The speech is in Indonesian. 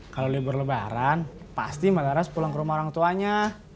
kalau libur lebaran pasti mbak laras pulang ke rumah orang tuanya